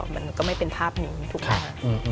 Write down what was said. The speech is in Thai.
มันก็ไม่เป็นภาพนี้ถูกไหม